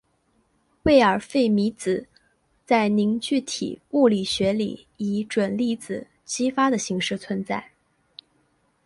魏尔费米子在凝聚体物理学里以准粒子激发的形式存在。